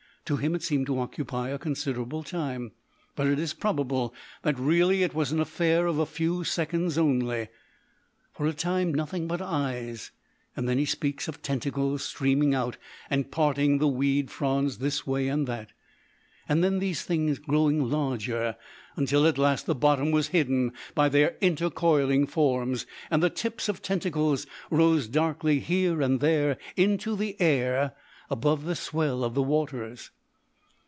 To him it seemed to occupy a considerable time, but it is probable that really it was an affair of a few seconds only. For a time nothing but eyes, and then he speaks of tentacles streaming out and parting the weed fronds this way and that. Then these things, growing larger, until at last the bottom was hidden by their intercoiling forms, and the tips of tentacles rose darkly here and there into the air above the swell of the waters.